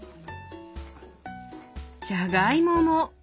じゃがいもも！